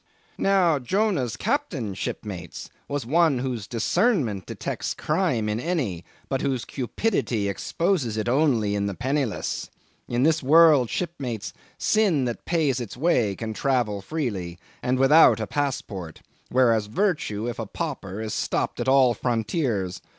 "Now Jonah's Captain, shipmates, was one whose discernment detects crime in any, but whose cupidity exposes it only in the penniless. In this world, shipmates, sin that pays its way can travel freely, and without a passport; whereas Virtue, if a pauper, is stopped at all frontiers.